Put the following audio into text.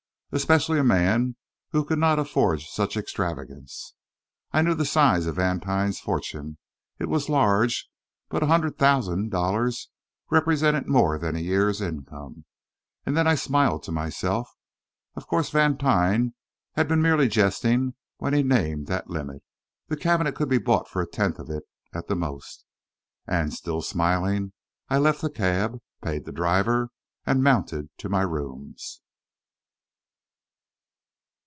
Especially a man who could not afford such extravagance? I knew the size of Vantine's fortune; it was large, but a hundred thousand dollars represented more than a year's income. And then I smiled to myself. Of course Vantine had been merely jesting when he named that limit. The cabinet could be bought for a tenth of it, at the most. And, still smiling, I left the cab, paid the driver, and mounted to my rooms.